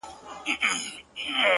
گرانه په دغه سي حشر كي جــادو”